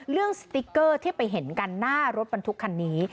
สติ๊กเกอร์ที่ไปเห็นกันหน้ารถบรรทุกคันนี้